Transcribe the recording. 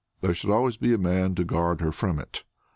There should always be a man to guard her from it.